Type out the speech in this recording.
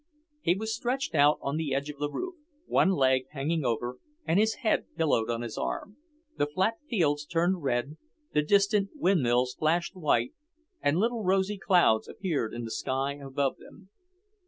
He was stretched out on the edge of the roof, one leg hanging over, and his head pillowed on his arm. The flat fields turned red, the distant windmills flashed white, and little rosy clouds appeared in the sky above them.